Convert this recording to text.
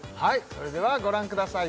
それではご覧ください